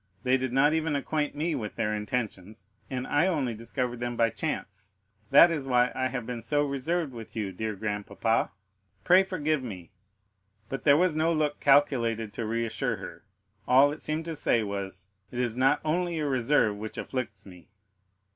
They did not even acquaint me with their intentions, and I only discovered them by chance, that is why I have been so reserved with you, dear grandpapa. Pray forgive me." But there was no look calculated to reassure her; all it seemed to say was, "It is not only your reserve which afflicts me."